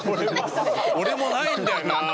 俺もないんだよな。